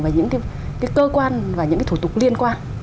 và những cái cơ quan và những cái thủ tục liên quan